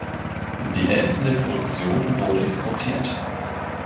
Die Hälfte der Produktion wurde exportiert.